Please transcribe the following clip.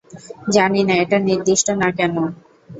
জানি না এটা নির্দিষ্ট না কেন।